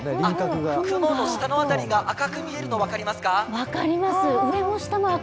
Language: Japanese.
雲の下の辺りが赤く見えるのが分かりますか？